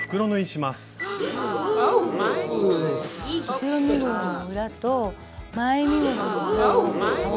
後ろ身ごろの裏と前身ごろの裏を合わせます。